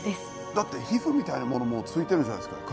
だって皮膚みたいなものもついてるじゃないですか。